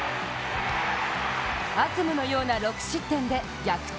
悪夢のような６失点で逆転